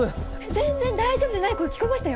全然大丈夫じゃない声聞こえましたよ？